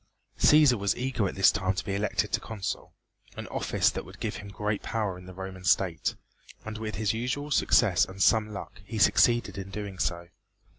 Cæsar was eager at this time to be elected Consul, an office that would give him great power in the Roman state, and with his usual success and some luck he succeeded in doing so.